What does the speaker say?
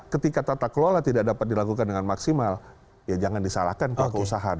ketika tata kelola tidak dapat dilakukan dengan maksimal ya jangan disalahkan pelaku usaha